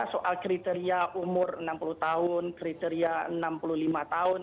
soal kriteria umur enam puluh tahun kriteria enam puluh lima tahun